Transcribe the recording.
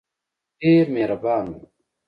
ډېر مهربان وو.